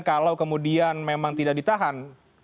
kalau kemudian memang tidak ditahan